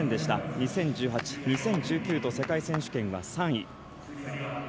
２０１８、２０１９と世界選手権は３位。